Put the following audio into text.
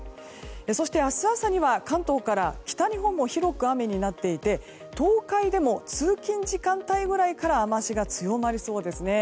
そして明日朝には関東から北日本も広く雨になっていて東海でも通勤時間帯ぐらいから雨脚が強まりそうですね。